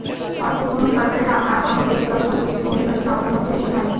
অর্থাৎ কোনো সরকারের আমলেই শতভাগ বিশুদ্ধ নির্বাচন আমাদের মতো দেশে হয়নি।